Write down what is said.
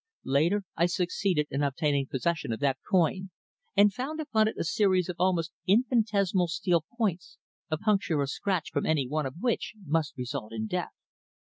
Later, I succeeded in obtaining possession of that coin, and found upon it a series of almost infinitesimal steel points, a puncture or scratch from any one of which must result in death."